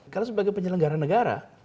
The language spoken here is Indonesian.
karena sebagai penyelenggara negara